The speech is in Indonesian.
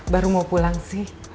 baru mau pulang sih